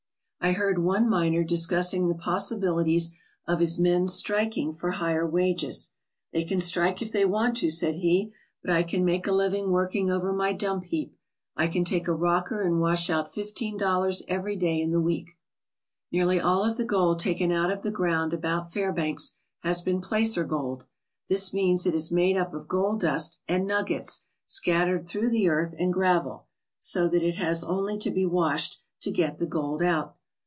I heard one miner discussing the possibilities of his men's striking for higher wages. "They can strike if they want to," said he, "but I can make a living working over my dump heap. I can take a rocker and wash out fifteen dollars any day in the week. " Nearly all of the gold taken out of the ground about Fairbanks has been placer gold. This means it is made up of gold dust and nuggets scattered through the earth and gravel, so that it has only to be washed to get the gold out.